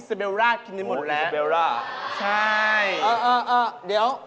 โอบอธิบาย